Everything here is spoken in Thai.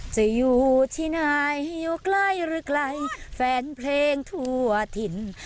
จะอยู่ที่ไหนอยู่ใกล้หรือไกลแฟนเพลงทั่วถิ่น